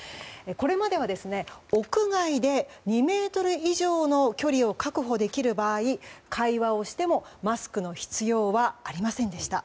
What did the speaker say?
これまでは、屋外で２ｍ以上の距離を確保できる場合会話をしても、マスクの必要はありませんでした。